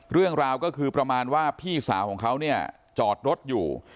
เรื่องราวก็คือประมาณว่าพี่สาวของเขาเนี่ยจอดรถอยู่